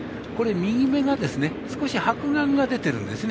右目が少し白眼が出てるんですね。